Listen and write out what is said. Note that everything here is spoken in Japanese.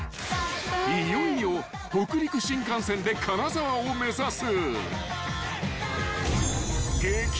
［いよいよ北陸新幹線で金沢を目指す］